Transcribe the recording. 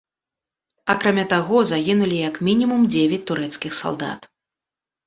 Акрамя таго, загінулі як мінімум дзевяць турэцкіх салдат.